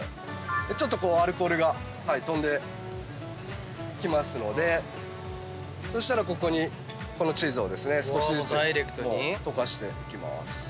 ちょっとアルコールが飛んできますのでそしたらここにこのチーズを少しずつ溶かしていきます。